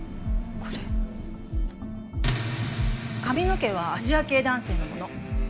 髪の毛はアジア系男性のもの。